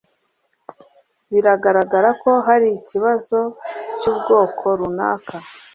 Biragaragara ko hari ikibazo cyubwoko runaka.